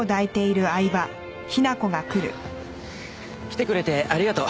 来てくれてありがとう。